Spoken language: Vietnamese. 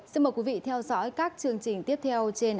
xin mời quý vị theo dõi các chương trình tiếp theo trên ant